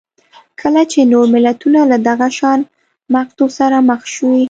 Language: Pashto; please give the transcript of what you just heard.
کله چې نور ملتونه له دغه شان مقطعو سره مخ شوي